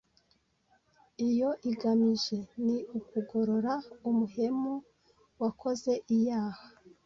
Iyo ia igamije ni ukugorora umuhemu ua wakoze iyaha